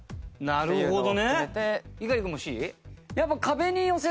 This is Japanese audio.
なるほど。